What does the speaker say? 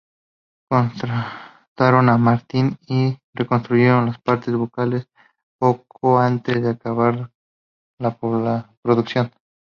Contrataron a Martin y reconstruyeron las partes vocales poco antes de acabar la producción.